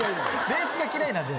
ベースが嫌いなんで。